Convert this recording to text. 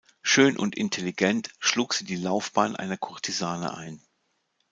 Schön und intelligent, schlug sie die Laufbahn einer Kurtisane ein.